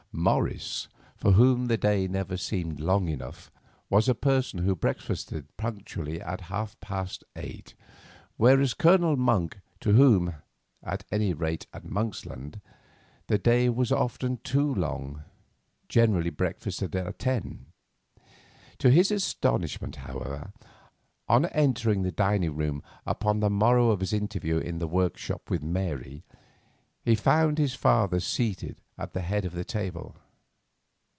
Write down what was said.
Morris, for whom the day never seemed long enough, was a person who breakfasted punctually at half past eight, whereas Colonel Monk, to whom—at any rate at Monksland—the day was often too long, generally breakfasted at ten. To his astonishment, however, on entering the dining room upon the morrow of his interview in the workshop with Mary, he found his father seated at the head of the table.